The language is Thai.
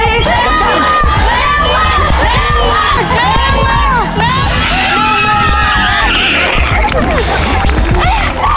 ๑แสนบาท